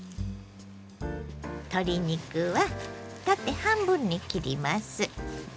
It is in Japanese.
鶏肉は縦半分に切ります。